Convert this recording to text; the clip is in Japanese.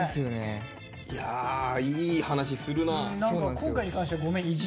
いやいい話するな。